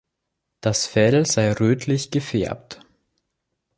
Das Fell sei rötlich gefärbt.